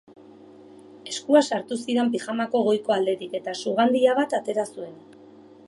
Eskua sartu zidan pijamako goiko aldetik eta sugandila bat atera zuen.